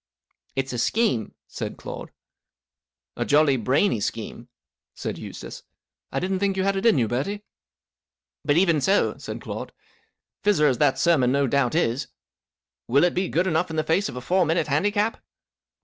" It's a scheme," said Claude. "A jolly brainy scheme," said Eustace. " I didn't think you had it in you, Bertie." " But even so," said Claude, 44 fizzer as that sermon no doubt is, will it be good enough in the face of a four minute handicap